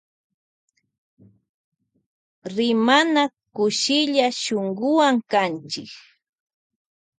Rimana kanchi kushilla shunkuwan.